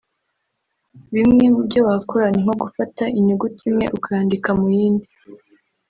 Bimwe mu byo wakora ni nko gufata inyuguti imwe ukayandika mu yindi